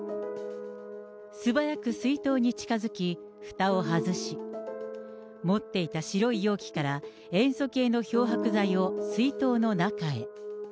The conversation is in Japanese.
素早く水筒に近づき、ふたを外し、持っていた白い容器から塩素系の漂白剤を水筒の中へ。